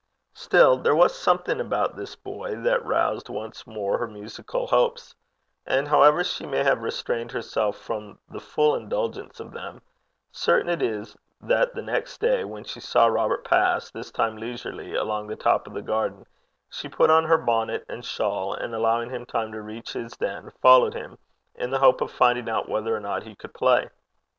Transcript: Still there was something about this boy that roused once more her musical hopes; and, however she may have restrained herself from the full indulgence of them, certain it is that the next day, when she saw Robert pass, this time leisurely, along the top of the garden, she put on her bonnet and shawl, and, allowing him time to reach his den, followed him, in the hope of finding out whether or not he could play.